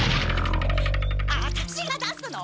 アタシが出すの？